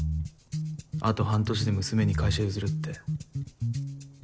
あと半年で娘に会社譲るって。